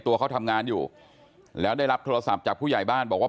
ตัวเขาทำงานอยู่แล้วได้รับโทรศัพท์จากผู้ใหญ่บ้านบอกว่า